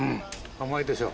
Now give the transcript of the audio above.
甘いでしょ？